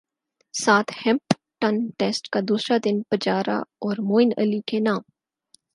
ساتھ Hampton test کا دوسرا دن پجارا اور معین علی کے نام